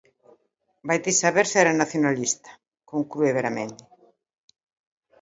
"Vai ti saber se era nacionalista", conclúe Beramendi.